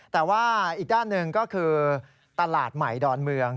แต่ว่าอีกด้านหนึ่งก็คือตลาดใหม่ดอนเมือง